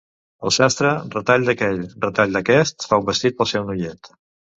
El sastre, retall d'aquell, retall d'aquest, fa un vestit pel seu noiet.